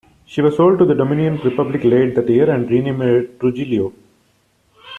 She was sold to the Dominican Republic late that year and renamed "Trujillo".